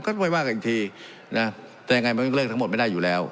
ก็ไม่ว่ากอีกทีน่ะแต่ยังไงมันเลิกทั้งหมดไม่ได้อยู่แล้ว